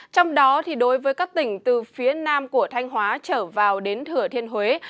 trong đó đối với các tỉnh từ phía nam của thanh hóa trở vào đến thừa thiên huế